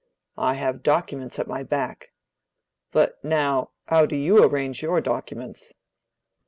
I have documents at my back. But now, how do you arrange your documents?"